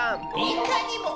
いかにも！